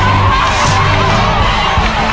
สุดท้ายแล้วครับ